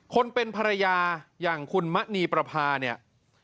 คนเป็นภรรยาอย่างคุณมะนีประพาเนี่ย